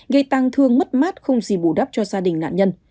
gây tăng thương mất mát không gì bù đắp cho gia đình nạn nhân